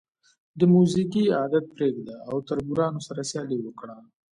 د موزیګي عادت پرېږده او تربورانو سره سیالي وکړه.